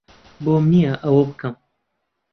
بۆم نییە ئەوە بکەم.